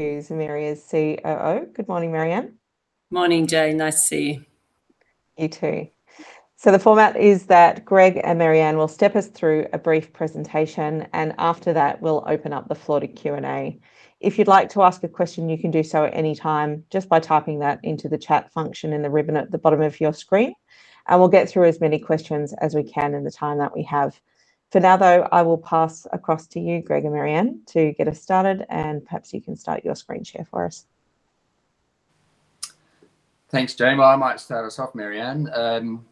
Who's Emyria's COO. Good morning, Mary-Ann. Morning, Jane. Nice to see you. You too. The format is that Greg and Mary-Ann will step us through a brief presentation, and after that we'll open up the floor to Q&A. If you'd like to ask a question, you can do so at any time just by typing that into the chat function in the ribbon at the bottom of your screen, and we'll get through as many questions as we can in the time that we have. For now, though, I will pass across to you, Greg and Mary-Ann, to get us started, and perhaps you can start your screen share for us. Thanks, Jane. I might start us off, Mary-Ann.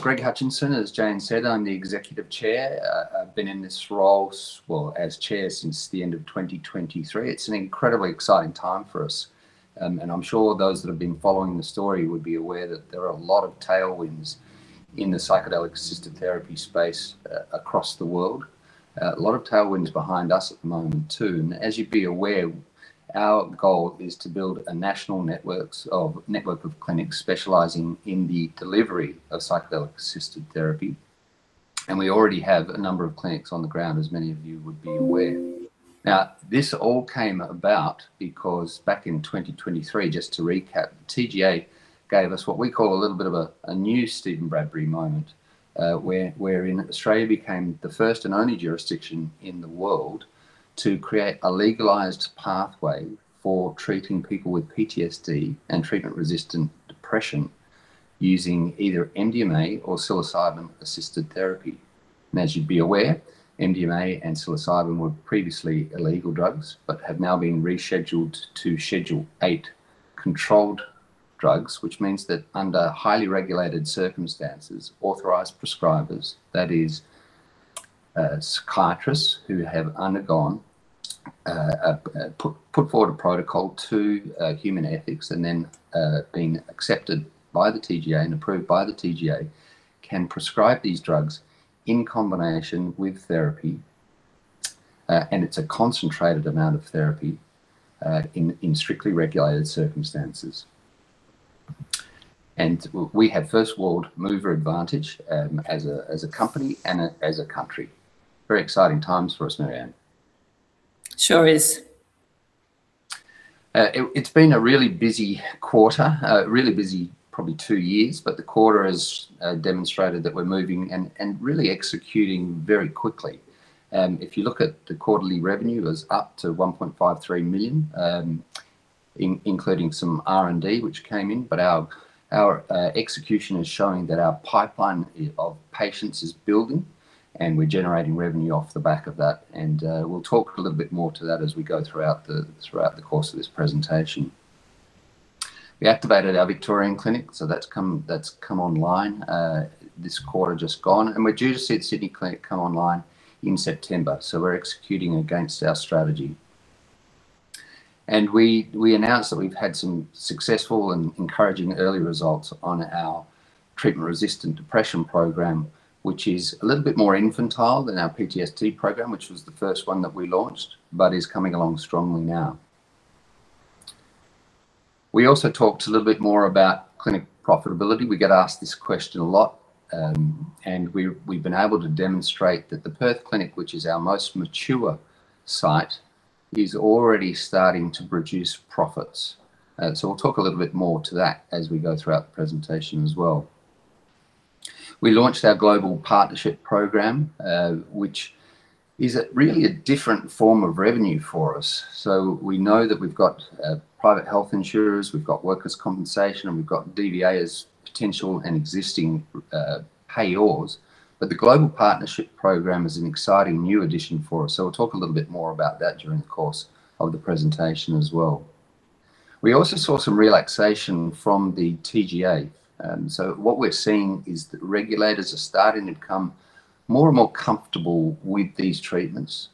Greg Hutchinson, as Jane said, I'm the Executive Chair. I've been in this role as chair since the end of 2023. It's an incredibly exciting time for us. I'm sure those that have been following the story would be aware that there are a lot of tailwinds in the psychedelic-assisted therapy space across the world. A lot of tailwinds behind us at the moment too. As you'd be aware, our goal is to build a national network of clinics specializing in the delivery of psychedelic-assisted therapy, and we already have a number of clinics on the ground, as many of you would be aware. This all came about because back in 2023, just to recap, TGA gave us what we call a little bit of a new Steven Bradbury moment, wherein Australia became the first and only jurisdiction in the world to create a legalized pathway for treating people with PTSD and treatment-resistant depression using either MDMA or psilocybin-assisted therapy. As you'd be aware, MDMA and psilocybin were previously illegal drugs but have now been rescheduled to Schedule 8 controlled drugs, which means that under highly regulated circumstances, Authorised Prescriber, that is, psychiatrists who have put forward a protocol to human ethics and then been accepted by the TGA and approved by the TGA, can prescribe these drugs in combination with therapy. It's a concentrated amount of therapy in strictly regulated circumstances. We have first-world mover advantage as a company and as a country. Very exciting times for us, Mary-Ann. Sure is. It's been a really busy quarter. A really busy probably two years, but the quarter has demonstrated that we're moving and really executing very quickly. If you look at the quarterly revenue, it was up to 1.53 million, including some R&D which came in. Our execution is showing that our pipeline of patients is building, and we're generating revenue off the back of that, and we'll talk a little bit more to that as we go throughout the course of this presentation. We activated our Victorian clinic, so that's come online this quarter just gone. We're due to see the Sydney clinic come online in September. We're executing against our strategy. We announced that we've had some successful and encouraging early results on our treatment-resistant depression program, which is a little bit more infantile than our PTSD program, which was the first one that we launched, but is coming along strongly now. We also talked a little bit more about clinic profitability. We get asked this question a lot. We've been able to demonstrate that the Perth Clinic, which is our most mature site, is already starting to produce profits. I'll talk a little bit more to that as we go throughout the presentation as well. We launched our Global Partnership Program, which is really a different form of revenue for us. We know that we've got private health insurers, we've got workers' compensation, and we've got DVA potential and existing payors. The Global Partnership Program is an exciting new addition for us. I'll talk a little bit more about that during the course of the presentation as well. We also saw some relaxation from the TGA. What we're seeing is that regulators are starting to become more and more comfortable with these treatments.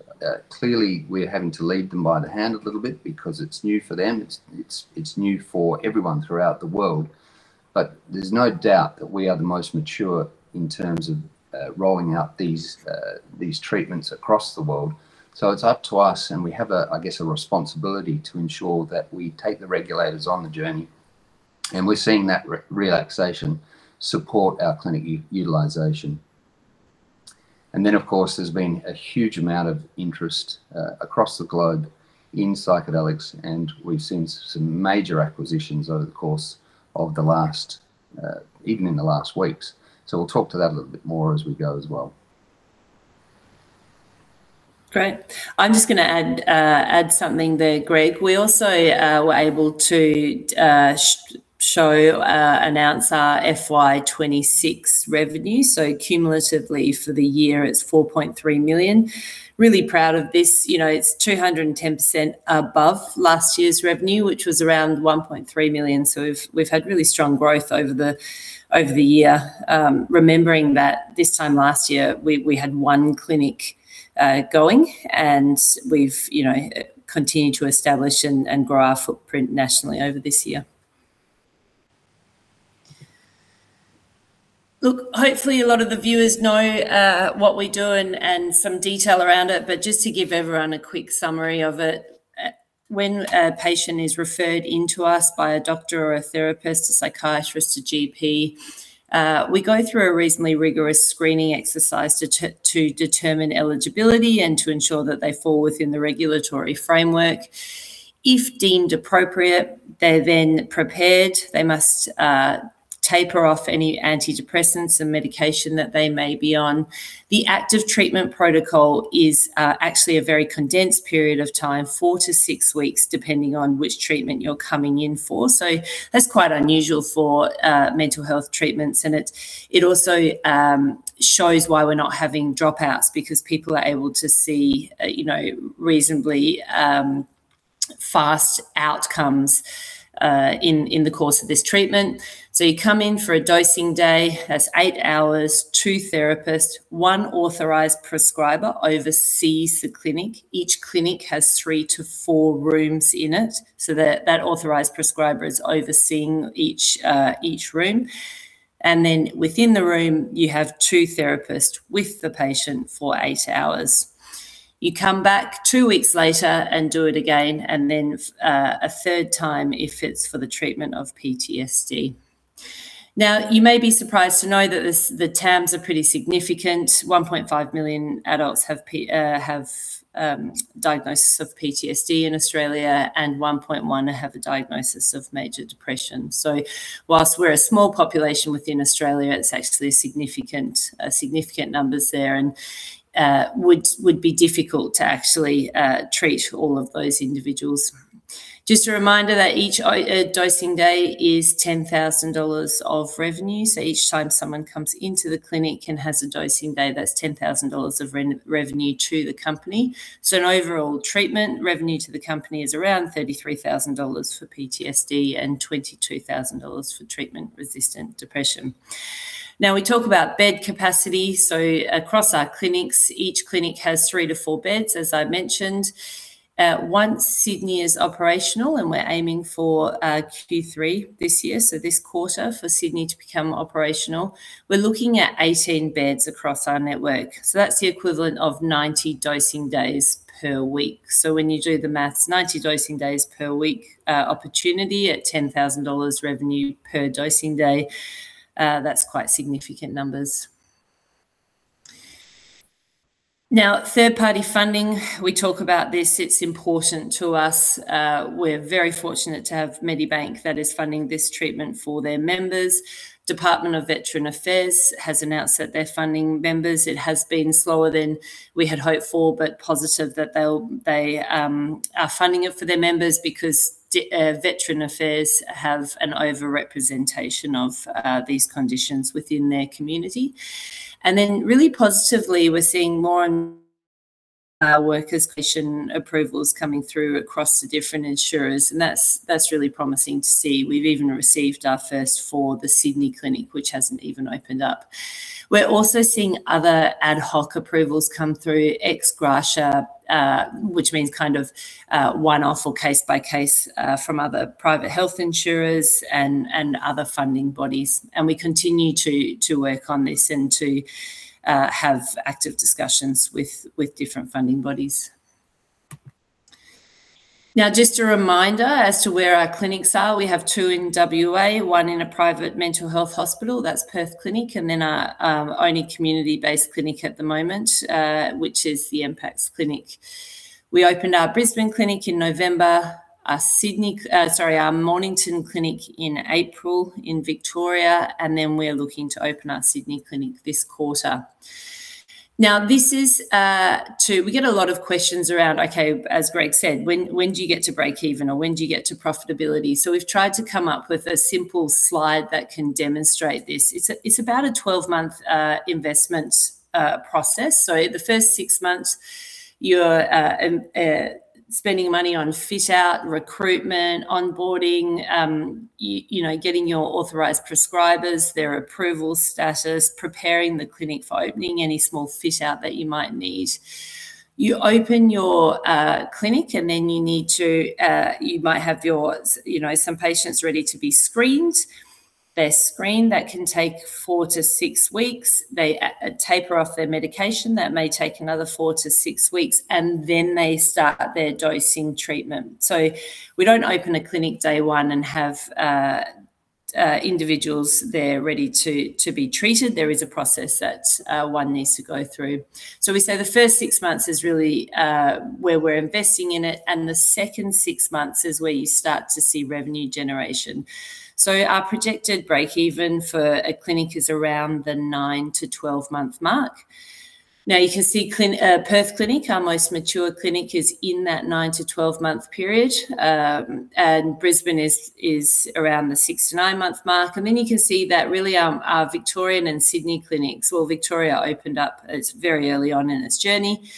Clearly, we're having to lead them by the hand a little bit because it's new for them. It's new for everyone throughout the world. There's no doubt that we are the most mature in terms of rolling out these treatments across the world. It's up to us, and we have, I guess, a responsibility to ensure that we take the regulators on the journey, and we're seeing that relaxation support our clinic utilization. Of course, there's been a huge amount of interest across the globe in psychedelics, and we've seen some major acquisitions over the course of the last even in the last weeks. We'll talk to that a little bit more as we go as well. Great. I'm just going to add something there, Greg. We also were able to show, announce our FY 2026 revenue. Cumulatively for the year, it's 4.3 million. Really proud of this. It's 210% above last year's revenue, which was around 1.3 million. We've had really strong growth over the year. Remembering that this time last year, we had one clinic going, and we've continued to establish and grow our footprint nationally over this year. Hopefully a lot of the viewers know what we do and some detail around it, just to give everyone a quick summary of it. When a patient is referred into us by a doctor or a therapist, a psychiatrist, a GP, we go through a reasonably rigorous screening exercise to determine eligibility and to ensure that they fall within the regulatory framework. If deemed appropriate, they're then prepared. They must taper off any antidepressants and medication that they may be on. The active treatment protocol is actually a very condensed period of time, four-six weeks, depending on which treatment you're coming in for. That's quite unusual for mental health treatments, and it also shows why we're not having dropouts, because people are able to see reasonably fast outcomes in the course of this treatment. You come in for a dosing day. That's eight hours, two therapists. One Authorised Prescriber oversees the clinic. Each clinic has three-four rooms in it, so that Authorised Prescriber is overseeing each room. And then within the room, you have two therapists with the patient for eight hours. You come back two weeks later and do it again, and then a third time if it's for the treatment of PTSD. You may be surprised to know that the terms are pretty significant. 1.5 million adults have diagnosis of PTSD in Australia, and 1.1 have a diagnosis of major depression. Whilst we're a small population within Australia, it's actually significant numbers there and would be difficult to actually treat all of those individuals. Just a reminder that each dosing day is 10,000 dollars of revenue. Each time someone comes into the clinic and has a dosing day, that's 10,000 dollars of revenue to the company. An overall treatment revenue to the company is around 33,000 dollars for PTSD and 22,000 dollars for treatment-resistant depression. We talk about bed capacity. Across our clinics, each clinic has three to four beds, as I mentioned. Once Sydney is operational, and we're aiming for Q3 this year, this quarter for Sydney to become operational. We're looking at 18 beds across our network. That's the equivalent of 90 dosing days per week. When you do the maths, 90 dosing days per week opportunity at 10,000 dollars revenue per dosing day, that's quite significant numbers. Third-party funding. We talk about this. It's important to us. We're very fortunate to have Medibank that is funding this treatment for their members. Department of Veterans' Affairs has announced that they're funding members. It has been slower than we had hoped for, but positive that they are funding it for their members because Veteran Affairs have an over-representation of these conditions within their community. Really positively, we're seeing more and more workers' compensation approvals coming through across the different insurers, and that's really promising to see. We've even received our first for the Sydney clinic, which hasn't even opened up. We're also seeing other ad hoc approvals come through ex gratia, which means kind of one-off or case-by-case from other private health insurers and other funding bodies. We continue to work on this and to have active discussions with different funding bodies. Just a reminder as to where our clinics are. We have two in W.A., one in a private mental health hospital. That's Perth Clinic, and then our only community-based clinic at the moment, which is the Empax Clinic. We opened our Brisbane clinic in November, our Mornington clinic in April in Victoria, and then we're looking to open our Sydney clinic this quarter. We get a lot of questions around, okay, as Greg said, when do you get to breakeven? Or when do you get to profitability? We've tried to come up with a simple slide that can demonstrate this. It's about a 12-month investment process. The first six months, you're spending money on fit-out, recruitment, onboarding, getting your Authorised Prescriber, their approval status, preparing the clinic for opening, any small fit-out that you might need. You open your clinic, and then you might have some patients ready to be screened. They're screened. That can take four to six weeks. They taper off their medication. That may take another four to six weeks. They start their dosing treatment. We don't open a clinic day one and have individuals there ready to be treated. There is a process that one needs to go through. We say the first six months is really where we're investing in it, and the second six months is where you start to see revenue generation. Our projected breakeven for a clinic is around the 9-12-month mark. You can see Perth Clinic, our most mature clinic, is in that 9-12-month period. Brisbane is around the six-nine-month mark. You can see that really our Victorian and Sydney clinics. Victoria opened up. It's very early on in its journey.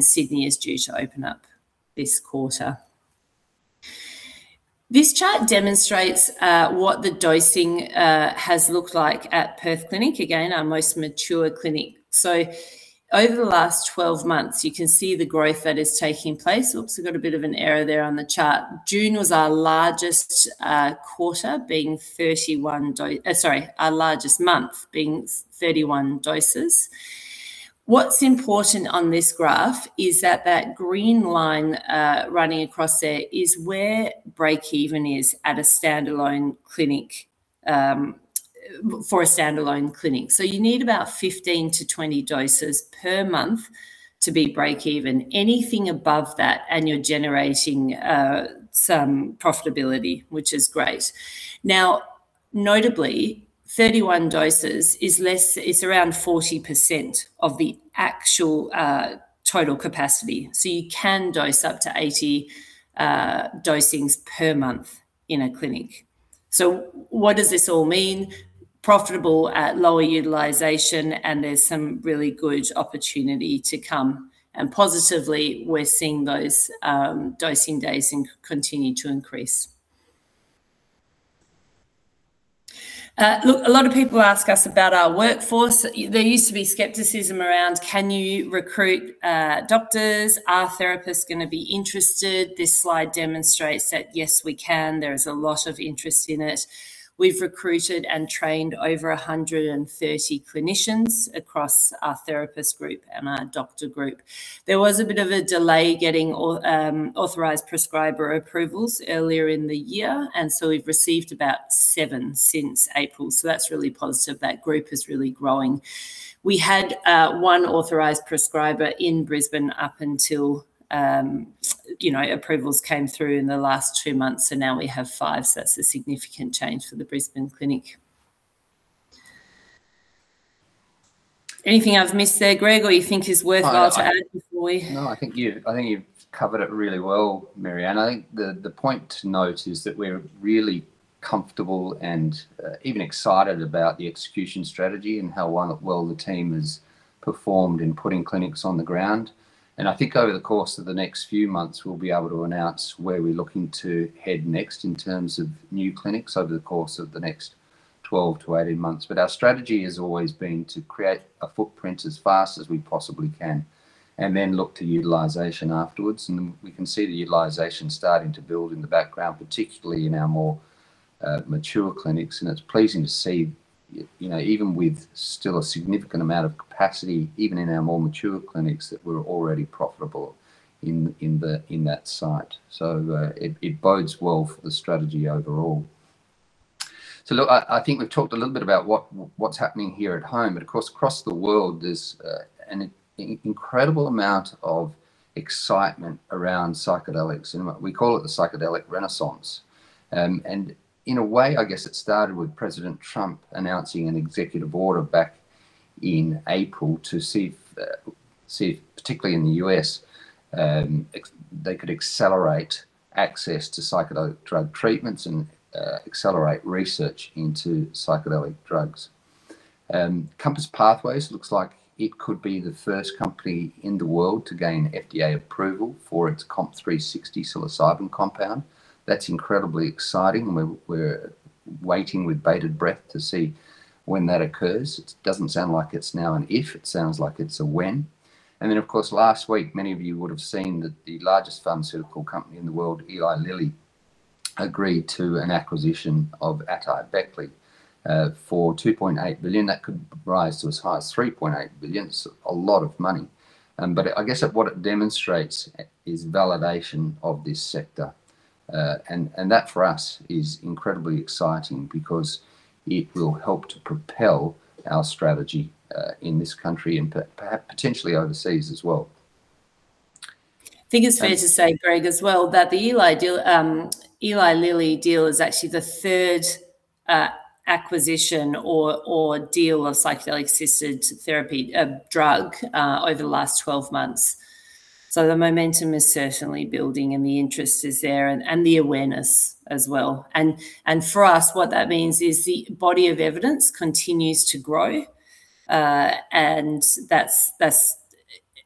Sydney is due to open up this quarter. This chart demonstrates what the dosing has looked like at Perth Clinic. Again, our most mature clinic. Over the last 12 months, you can see the growth that is taking place. We've got a bit of an error there on the chart. June was our largest quarter being, sorry, our largest month being 31 doses. What's important on this graph is that green line running across there is where breakeven is at a standalone clinic. For a standalone clinic. You need about 15-20 doses per month to be breakeven. Anything above that, and you're generating some profitability, which is great. Notably, 31 doses is around 40% of the actual total capacity. You can dose up to 80 dosings per month in a clinic. What does this all mean? Profitable at lower utilization, and there's some really good opportunity to come. Positively, we're seeing those dosing days continue to increase. A lot of people ask us about our workforce. There used to be skepticism around, can you recruit doctors? Are therapists going to be interested? This slide demonstrates that, yes, we can. There is a lot of interest in it. We've recruited and trained over 130 clinicians across our therapist group and our doctor group. There was a bit of a delay getting Authorised Prescriber approvals earlier in the year, we've received about seven since April. That's really positive. That group is really growing. We had one Authorised Prescriber in Brisbane up until approvals came through in the last two months, now we have five. That's a significant change for the Brisbane clinic. Anything I've missed there, Greg, or you think is worthwhile to add before we? I think you've covered it really well, Mary-Ann. I think the point to note is that we're really comfortable and even excited about the execution strategy and how well the team has performed in putting clinics on the ground. I think over the course of the next few months, we'll be able to announce where we're looking to head next in terms of new clinics over the course of the next 12-18 months. Our strategy has always been to create a footprint as fast as we possibly can then look to utilization afterwards. We can see the utilization starting to build in the background, particularly in our more mature clinics. It's pleasing to see, even with still a significant amount of capacity, even in our more mature clinics, that we're already profitable in that site. It bodes well for the strategy overall. Look, I think we've talked a little bit about what's happening here at home. Of course, across the world, there's an incredible amount of excitement around psychedelics, and we call it the psychedelic renaissance. In a way, I guess it started with President Trump announcing an executive order back in April to see if, particularly in the U.S., they could accelerate access to psychedelic drug treatments and accelerate research into psychedelic drugs. Compass Pathways looks like it could be the first company in the world to gain FDA approval for its COMP360 psilocybin compound. That's incredibly exciting. We're waiting with bated breath to see when that occurs. It doesn't sound like it's now an if, it sounds like it's a when. Then, of course, last week, many of you would've seen that the largest pharmaceutical company in the world, Eli Lilly, agreed to an acquisition of Atai Beckley for 2.8 billion. That could rise to as high as 3.8 billion, so a lot of money. I guess what it demonstrates is validation of this sector. That, for us, is incredibly exciting because it will help to propel our strategy, in this country and perhaps potentially overseas as well. I think it's fair to say, Greg, as well, that the Eli Lilly deal is actually the third acquisition or deal of psychedelic-assisted therapy, a drug, over the last 12 months. The momentum is certainly building and the interest is there and the awareness as well. For us, what that means is the body of evidence continues to grow. That's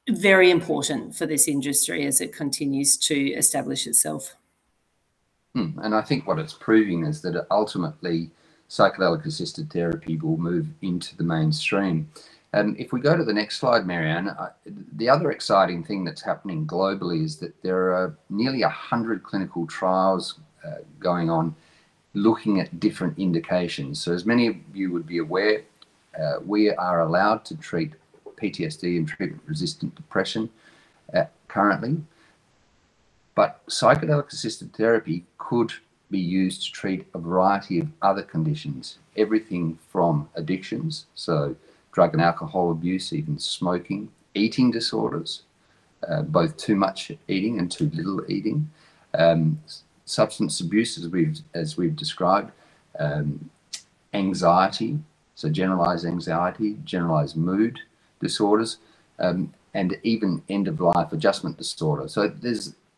very important for this industry as it continues to establish itself. I think what it's proving is that ultimately, psychedelic-assisted therapy will move into the mainstream. If we go to the next slide, Mary-Ann, the other exciting thing that's happening globally is that there are nearly 100 clinical trials going on, looking at different indications. As many of you would be aware, we are allowed to treat PTSD and treatment-resistant depression currently. Psychedelic-assisted therapy could be used to treat a variety of other conditions, everything from addictions, so drug and alcohol abuse, even smoking, eating disorders, both too much eating and too little eating, substance abuse as we've described, anxiety, so generalized anxiety, generalized mood disorders, and even end-of-life adjustment disorder.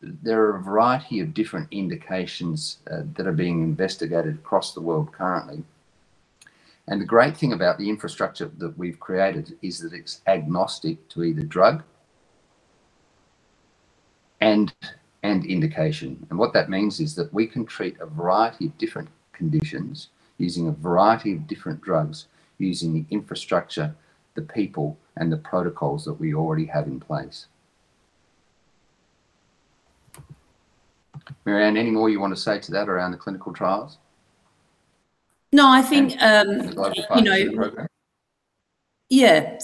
There are a variety of different indications that are being investigated across the world currently. The great thing about the infrastructure that we've created is that it's agnostic to either drug and indication. What that means is that we can treat a variety of different conditions using a variety of different drugs, using the infrastructure, the people, and the protocols that we already have in place. Mary-Ann, anything more you want to say to that around the clinical trials? No, I think- As I slide to the program Yeah.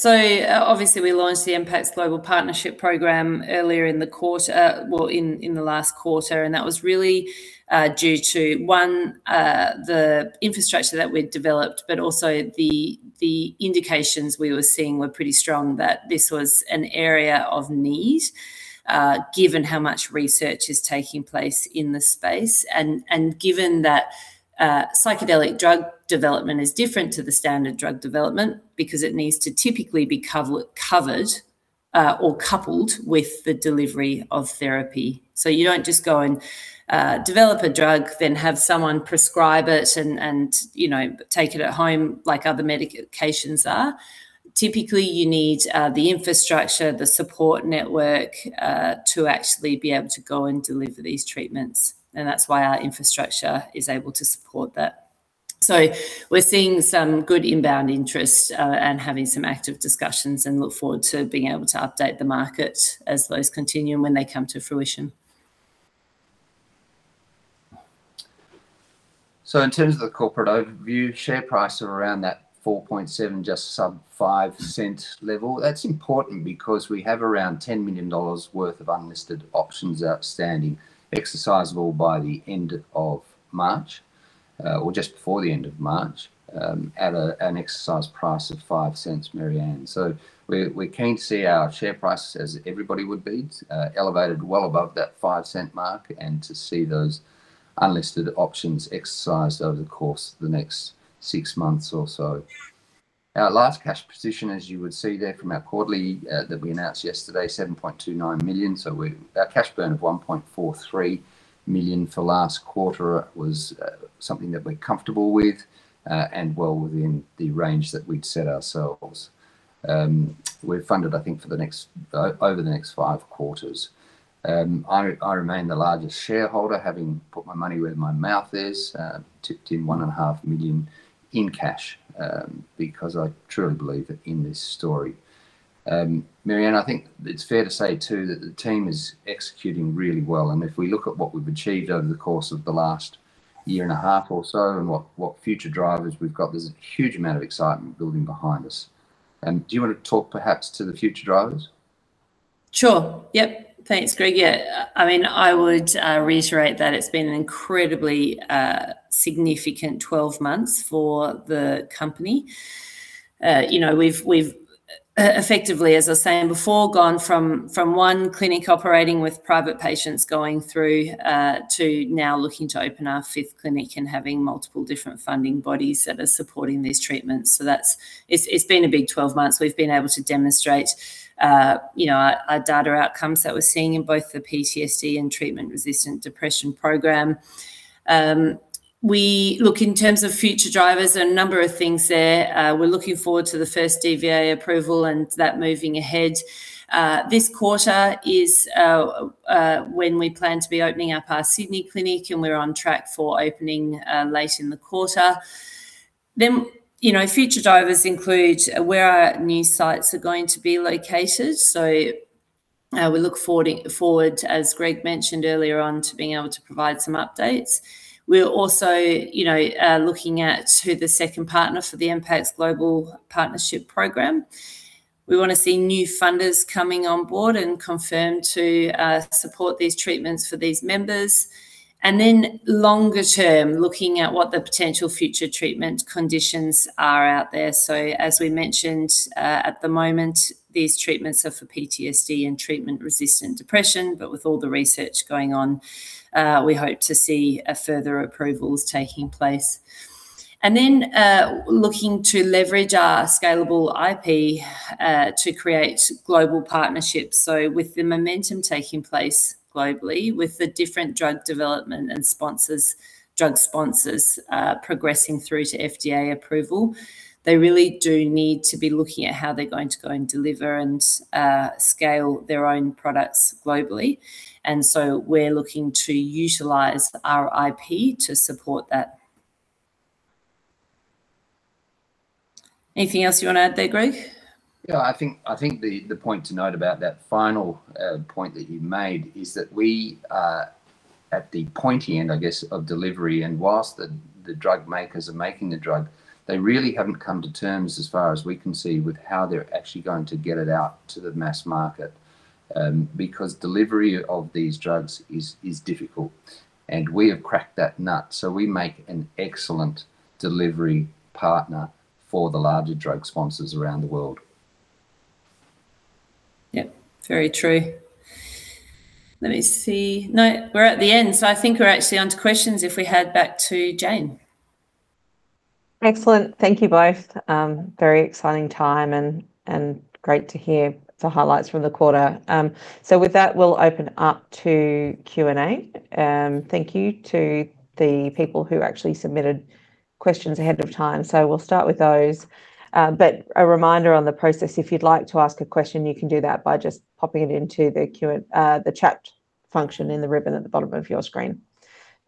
Obviously, we launched the Empax Global Partnership Program earlier in the last quarter, and that was really due to, one, the infrastructure that we'd developed, but also the indications we were seeing were pretty strong that this was an area of need, given how much research is taking place in the space, and given that psychedelic drug development is different to the standard drug development because it needs to typically be covered or coupled with the delivery of therapy. You don't just go and develop a drug, then have someone prescribe it, and take it at home like other medications are. Typically, you need the infrastructure, the support network, to actually be able to go and deliver these treatments, and that's why our infrastructure is able to support that. We're seeing some good inbound interest, and having some active discussions, and look forward to being able to update the market as those continue and when they come to fruition. In terms of the corporate overview, share price of around that 0.047 just sub 0.05 level. That's important because we have around 10 million dollars worth of unlisted options outstanding, exercisable by the end of March, or just before the end of March, at an exercise price of 0.05, Mary-Ann. We're keen to see our share price, as everybody would be, elevated well above that 0.05 mark and to see those unlisted options exercised over the course of the next six months or so. Our last cash position, as you would see there from our quarterly that we announced yesterday, 7.29 million, our cash burn of 1.43 million for last quarter was something that we're comfortable with, and well within the range that we'd set ourselves. We're funded, I think, over the next five quarters. I remain the largest shareholder, having put my money where my mouth is, tipped in 1.5 million in cash, because I truly believe in this story. Mary-Ann, I think it's fair to say too that the team is executing really well, and if we look at what we've achieved over the course of the last year and a half or so and what future drivers we've got, there's a huge amount of excitement building behind us. Do you want to talk perhaps to the future drivers? Sure. Yep. Thanks, Greg. Yeah. I would reiterate that it's been an incredibly significant 12 months for the company. We've effectively, as I was saying before, gone from one clinic operating with private patients going through, to now looking to open our fifth clinic and having multiple different funding bodies that are supporting these treatments. It's been a big 12 months. We've been able to demonstrate our data outcomes that we're seeing in both the PTSD and treatment-resistant depression program. We look in terms of future drivers, there are a number of things there. We're looking forward to the first DVA approval and that moving ahead. This quarter is when we plan to be opening up our Sydney clinic, and we're on track for opening late in the quarter. Future drivers include where our new sites are going to be located. We look forward, as Greg mentioned earlier on, to being able to provide some updates. We're also looking at who the second partner for the Empax Global Partnership Program. We want to see new funders coming on board and confirm to support these treatments for these members. Longer term, looking at what the potential future treatment conditions are out there. As we mentioned, at the moment, these treatments are for PTSD and treatment-resistant depression. With all the research going on, we hope to see further approvals taking place. Looking to leverage our scalable IP to create global partnerships. With the momentum taking place globally with the different drug development and drug sponsors progressing through to FDA approval, they really do need to be looking at how they're going to go and deliver and scale their own products globally. We're looking to utilize our IP to support that. Anything else you want to add there, Greg? Yeah, I think the point to note about that final point that you made is that we are at the pointy end, I guess, of delivery, and whilst the drug makers are making the drug, they really haven't come to terms, as far as we can see, with how they're actually going to get it out to the mass market. Because delivery of these drugs is difficult. We have cracked that nut. We make an excellent delivery partner for the larger drug sponsors around the world. Yep. Very true. Let me see. No, we're at the end. I think we're actually onto questions if we head back to Jane. Excellent. Thank you both. Very exciting time, great to hear the highlights from the quarter. With that, we'll open up to Q&A. Thank you to the people who actually submitted questions ahead of time. We'll start with those. A reminder on the process, if you'd like to ask a question, you can do that by just popping it into the chat function in the ribbon at the bottom of your screen.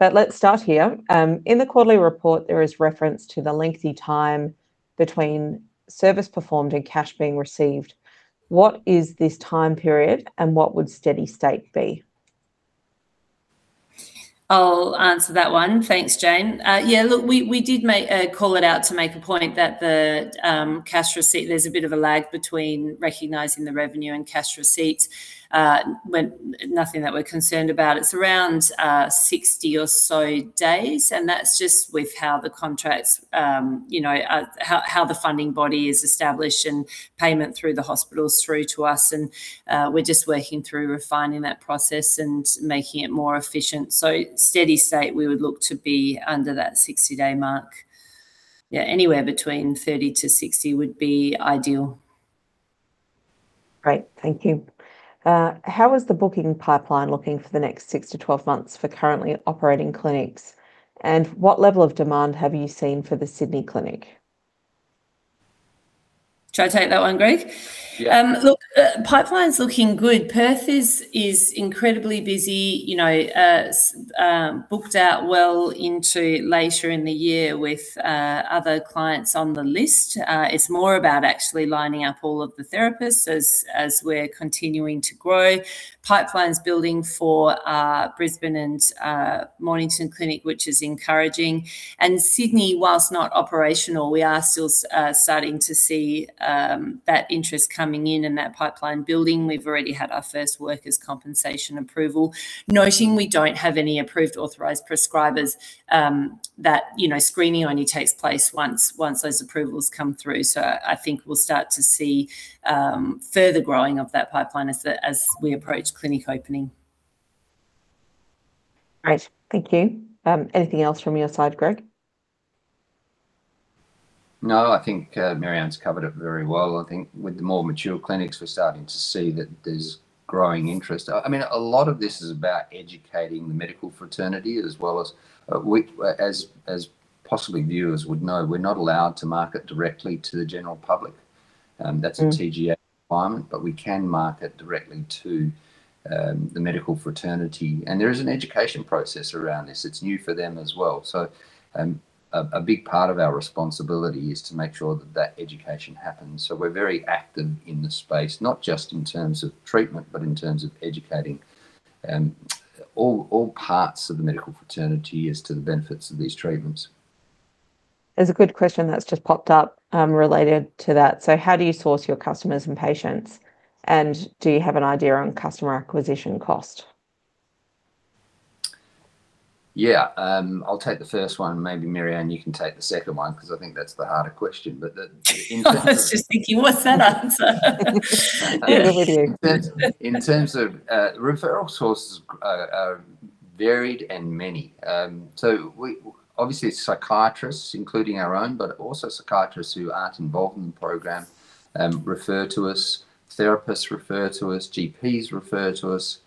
Let's start here. In the quarterly report, there is reference to the lengthy time between service performed and cash being received. What is this time period? What would steady state be? I'll answer that one. Thanks, Jane. Yeah, look, we did call it out to make a point that the cash receipt, there's a bit of a lag between recognizing the revenue cash receipts. Nothing that we're concerned about. It's around 60 or so days, that's just with how the funding body is established payment through the hospitals through to us. We're just working through refining that process making it more efficient. Steady state, we would look to be under that 60-day mark. Yeah, anywhere between 30-60 would be ideal. Great. Thank you. How is the booking pipeline looking for the next six to 12 months for currently operating clinics? What level of demand have you seen for the Sydney clinic? Should I take that one, Greg? Yeah. Look, pipeline's looking good. Perth is incredibly busy, booked out well into later in the year with other clients on the list. It's more about actually lining up all of the therapists as we're continuing to grow. Pipeline's building for Brisbane and Mornington Clinic, which is encouraging. Sydney, whilst not operational, we are still starting to see that interest coming in and that pipeline building. We've already had our first workers compensation approval. Noting we don't have any approved Authorised Prescriber, that screening only takes place once those approvals come through. I think we'll start to see further growing of that pipeline as we approach clinic opening. Great. Thank you. Anything else from your side, Greg? No, I think Mary-Ann's covered it very well. I think with the more mature clinics, we're starting to see that there's growing interest. A lot of this is about educating the medical fraternity as well as possibly viewers would know, we're not allowed to market directly to the general public. That's a TGA requirement. We can market directly to the medical fraternity, there is an education process around this. It's new for them as well. A big part of our responsibility is to make sure that that education happens. We're very active in the space, not just in terms of treatment, but in terms of educating all parts of the medical fraternity as to the benefits of these treatments. There's a good question that's just popped up related to that. How do you source your customers and patients? Do you have an idea on customer acquisition cost? Yeah. I'll take the first one, and maybe Mary-Ann, you can take the second one, because I think that's the harder question. I was just thinking, what's that answer? Over to you. In terms of referral sources are varied and many. Obviously, it's psychiatrists, including our own, but also psychiatrists who aren't involved in the program refer to us. Therapists refer to us, GPs refer to us.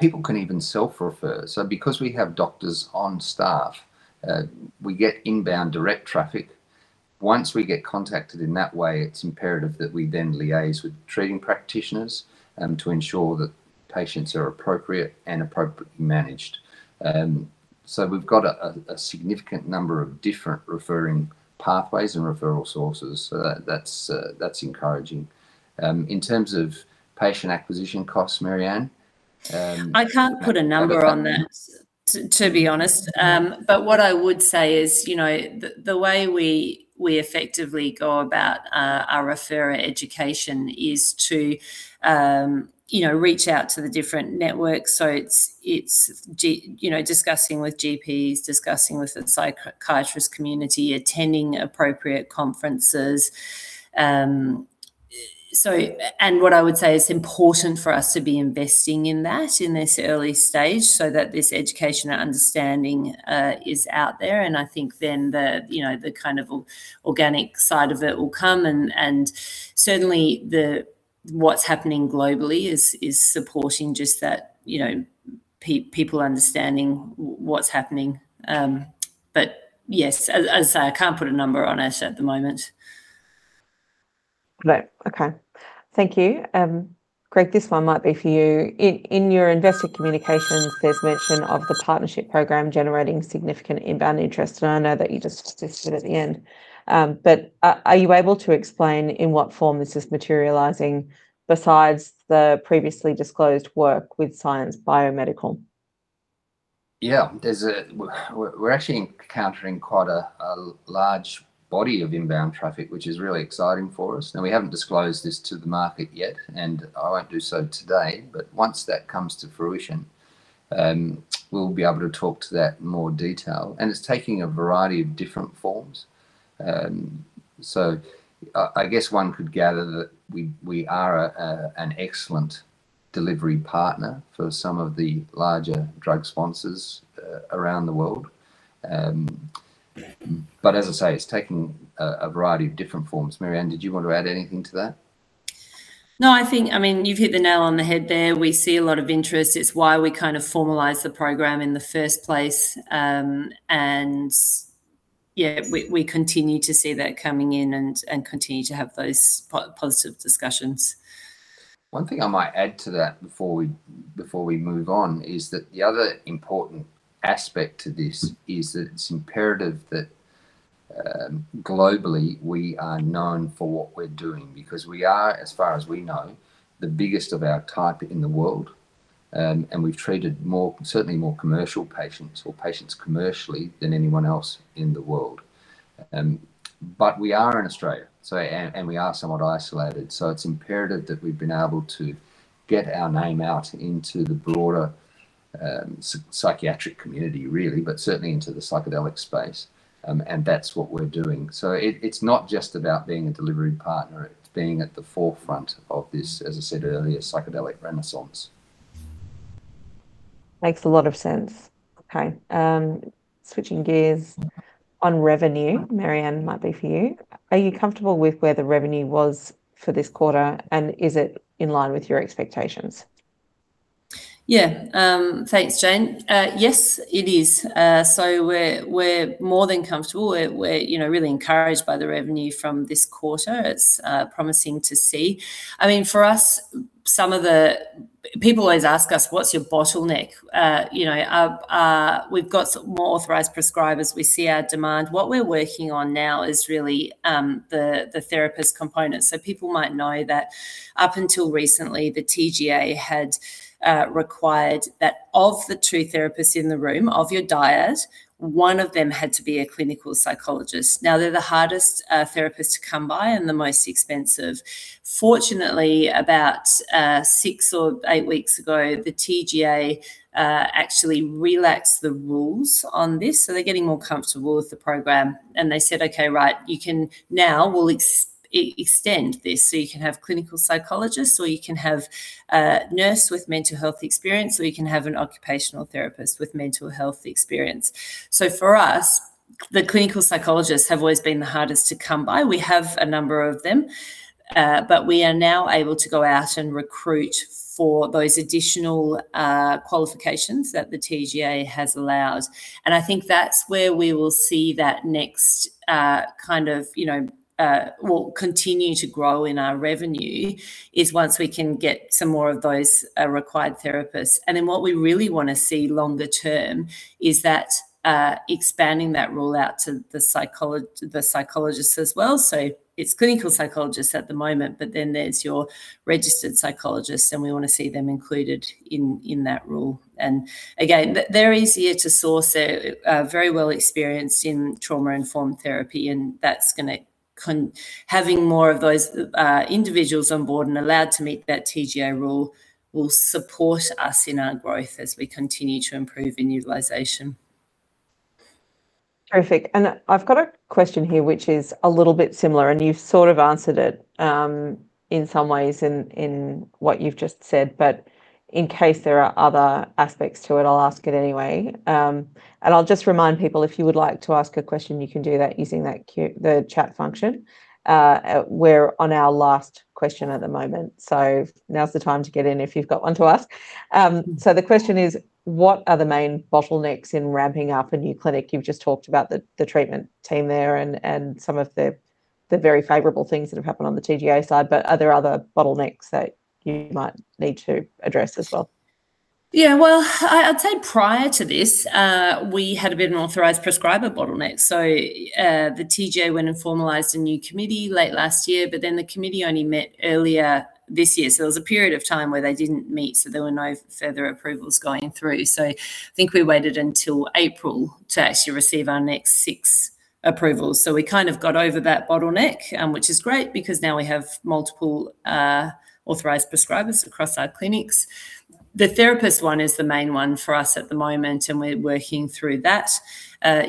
People can even self-refer. Because we have doctors on staff, we get inbound direct traffic. Once we get contacted in that way, it's imperative that we then liaise with treating practitioners to ensure that patients are appropriate and appropriately managed. We've got a significant number of different referring pathways and referral sources. That's encouraging. In terms of patient acquisition costs, Mary-Ann? I can't put a number on that. Over to you To be honest. What I would say is, the way we effectively go about our referrer education is to reach out to the different networks. It's discussing with GPs, discussing with the psychiatrist community, attending appropriate conferences. What I would say, it's important for us to be investing in that in this early stage so that this education and understanding is out there, and I think then the kind of organic side of it will come. Certainly what's happening globally is supporting just that, people understanding what's happening. Yes, as I say, I can't put a number on it at the moment. No. Okay. Thank you. Greg, this one might be for you. In your investor communications, there's mention of the partnership program generating significant inbound interest. I know that you just touched it at the end. Are you able to explain in what form this is materializing besides the previously disclosed work with Psyence Biomedical? Yeah. We're actually encountering quite a large body of inbound traffic, which is really exciting for us. Now, we haven't disclosed this to the market yet, and I won't do so today, but once that comes to fruition, we'll be able to talk to that in more detail. It's taking a variety of different forms. I guess one could gather that we are an excellent delivery partner for some of the larger drug sponsors around the world. As I say, it's taking a variety of different forms. Mary-Ann, did you want to add anything to that? No. You've hit the nail on the head there. We see a lot of interest. It's why we formalized the program in the first place. Yeah, we continue to see that coming in and continue to have those positive discussions. One thing I might add to that before we move on, is that the other important aspect to this is that it's imperative that globally, we are known for what we're doing because we are, as far as we know, the biggest of our type in the world. We've treated certainly more commercial patients or patients commercially than anyone else in the world. But we are in Australia, and we are somewhat isolated, so it's imperative that we've been able to get our name out into the broader psychiatric community, really, but certainly into the psychedelic space. That's what we're doing. It's not just about being a delivery partner, it's being at the forefront of this, as I said earlier, psychedelic renaissance. Makes a lot of sense. Okay. Switching gears, on revenue, Mary-Ann, might be for you. Are you comfortable with where the revenue was for this quarter, and is it in line with your expectations? Yeah. Thanks, Jane. Yes, it is. We're more than comfortable. We're really encouraged by the revenue from this quarter. It's promising to see. For us, people always ask us, "What's your bottleneck?" We've got more Authorised Prescriber. We see our demand. What we're working on now is really the therapist component. People might know that up until recently, the TGA had required that of the two therapists in the room, of your dyad, one of them had to be a clinical psychologist. Now they're the hardest therapists to come by and the most expensive. Fortunately, about six or eight weeks ago, the TGA actually relaxed the rules on this. They're getting more comfortable with the program, and they said, "Okay, right. Now we'll extend this, so you can have clinical psychologists, or you can have a nurse with mental health experience, or you can have an occupational therapist with mental health experience." For us, the clinical psychologists have always been the hardest to come by. We have a number of them. We are now able to go out and recruit for those additional qualifications that the TGA has allowed. I think that's where we will see that next, we'll continue to grow in our revenue, is once we can get some more of those required therapists. What we really want to see longer term is that expanding that rule out to the psychologists as well. It's clinical psychologists at the moment, but then there's your registered psychologists, and we want to see them included in that rule. Again, they're easier to source, they're very well experienced in trauma-informed therapy, and having more of those individuals on board and allowed to meet that TGA rule will support us in our growth as we continue to improve in utilization. Terrific. I've got a question here which is a little bit similar, and you've sort of answered it in some ways in what you've just said. In case there are other aspects to it, I'll ask it anyway. I'll just remind people, if you would like to ask a question, you can do that using the chat function. We're on our last question at the moment, now's the time to get in if you've got one to ask. The question is, what are the main bottlenecks in ramping up a new clinic? You've just talked about the treatment team there and some of the very favorable things that have happened on the TGA side, are there other bottlenecks that you might need to address as well? Yeah. I'd say prior to this, we had a bit of an Authorised Prescriber bottleneck. The TGA went and formalized a new committee late last year, the committee only met earlier this year. There was a period of time where they didn't meet, so there were no further approvals going through. I think we waited until April to actually receive our next six approvals. We kind of got over that bottleneck, which is great because now we have multiple Authorised Prescriber across our clinics. The therapist one is the main one for us at the moment, and we're working through that. I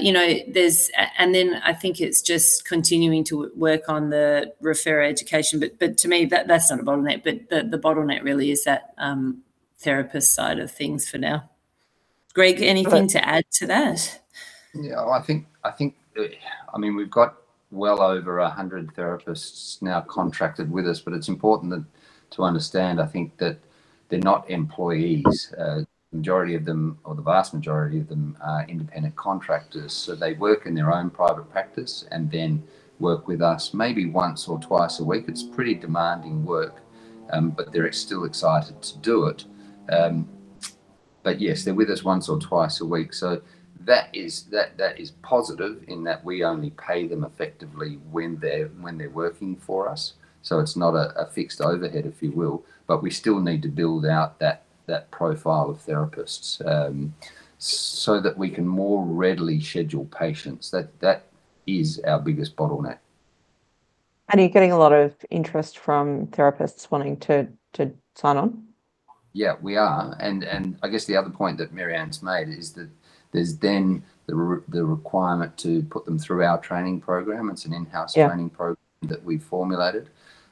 think it's just continuing to work on the referrer education. To me, that's not a bottleneck. The bottleneck really is that therapist side of things for now. Greg, anything to add to that? Yeah. We've got well over 100 therapists now contracted with us, it's important to understand, I think, that they're not employees. The majority of them, or the vast majority of them, are independent contractors. They work in their own private practice and then work with us maybe once or twice a week. It's pretty demanding work. They're still excited to do it. Yes, they're with us once or twice a week. That is positive in that we only pay them effectively when they're working for us. It's not a fixed overhead, if you will. We still need to build out that profile of therapists, so that we can more readily schedule patients. That is our biggest bottleneck. Are you getting a lot of interest from therapists wanting to sign on? Yeah, we are. I guess the other point that Mary-Ann's made is that there's then the requirement to put them through our training program. It's an in-house- Yeah Training program that we've formulated.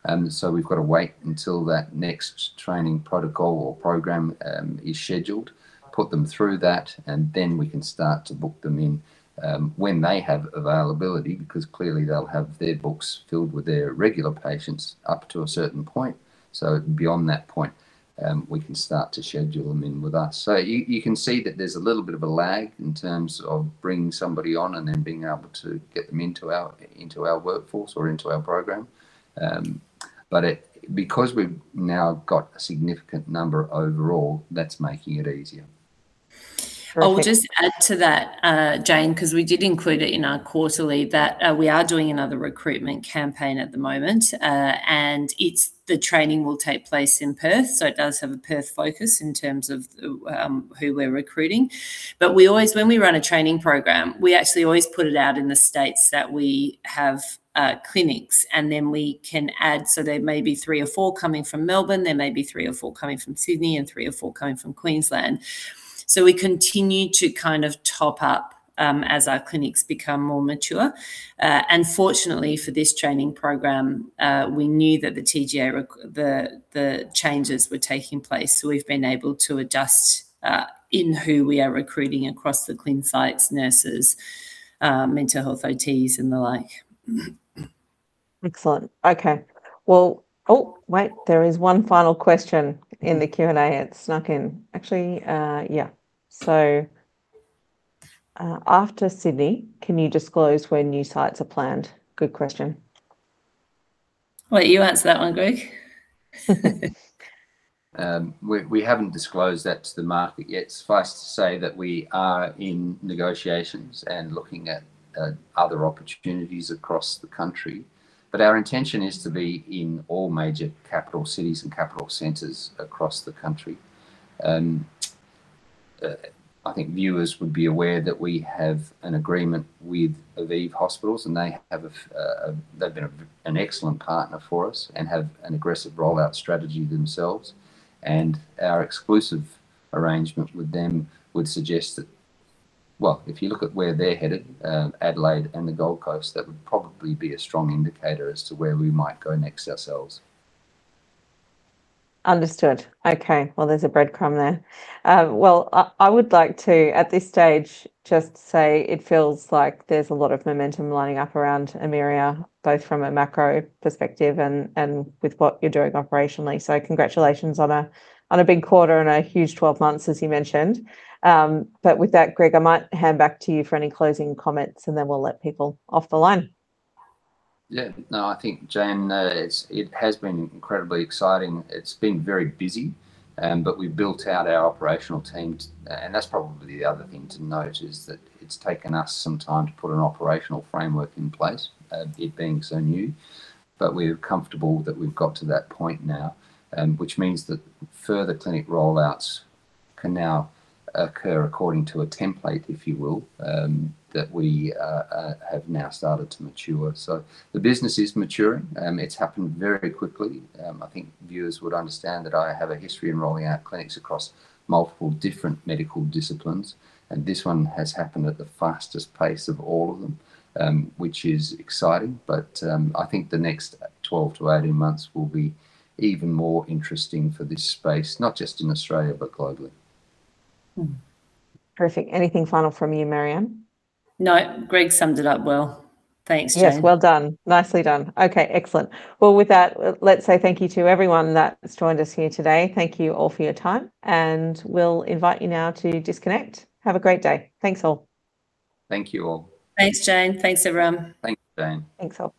We've got to wait until that next training protocol or program is scheduled, put them through that, and then we can start to book them in when they have availability. Clearly they'll have their books filled with their regular patients up to a certain point. Beyond that point, we can start to schedule them in with us. You can see that there's a little bit of a lag in terms of bringing somebody on and then being able to get them into our workforce or into our program. Because we've now got a significant number overall, that's making it easier I'll just add to that, Jane, because we did include it in our quarterly, that we are doing another recruitment campaign at the moment. The training will take place in Perth, so it does have a Perth focus in terms of who we're recruiting. When we run a training program, we actually always put it out in the states that we have clinics, and then we can add, so there may be three or four coming from Melbourne, there may be three or four coming from Sydney, and three or four coming from Queensland. We continue to top up as our clinics become more mature. Fortunately for this training program, we knew that the TGA, the changes were taking place, so we've been able to adjust in who we are recruiting across the clinic sites, nurses, mental health OTs, and the like. Excellent. Okay. Well Oh, wait, there is one final question in the Q&A it snuck in. Actually, yeah. After Sydney, can you disclose where new sites are planned? Good question. Why don't you answer that one, Greg? We haven't disclosed that to the market yet. Suffice to say that we are in negotiations and looking at other opportunities across the country. Our intention is to be in all major capital cities and capital centers across the country. I think viewers would be aware that we have an agreement with Avive Health, They've been an excellent partner for us and have an aggressive rollout strategy themselves. Our exclusive arrangement with them would suggest that, well, if you look at where they're headed, Adelaide and the Gold Coast, that would probably be a strong indicator as to where we might go next ourselves. Understood. Okay. Well, there's a breadcrumb there. Well, I would like to, at this stage, just say it feels like there's a lot of momentum lining up around Emyria, both from a macro perspective and with what you're doing operationally. Congratulations on a big quarter and a huge 12 months, as you mentioned. With that, Greg, I might hand back to you for any closing comments, Then we'll let people off the line. Yeah. No, I think, Jane, it has been incredibly exciting. It's been very busy, We've built out our operational teams. That's probably the other thing to note, is that it's taken us some time to put an operational framework in place, it being so new. We're comfortable that we've got to that point now, which means that further clinic rollouts can now occur according to a template, if you will, that we have now started to mature. The business is maturing. It's happened very quickly. I think viewers would understand that I have a history in rolling out clinics across multiple different medical disciplines, This one has happened at the fastest pace of all of them, which is exciting. I think the next 12 to 18 months will be even more interesting for this space, not just in Australia, but globally. Perfect. Anything final from you, Mary-Ann? No, Greg summed it up well. Thanks, Jane. Yes, well done. Nicely done. Okay, excellent. Well, with that, let's say thank you to everyone that's joined us here today. Thank you all for your time, and we'll invite you now to disconnect. Have a great day. Thanks all. Thank you all. Thanks, Jane. Thanks, everyone. Thanks, Jane. Thanks all.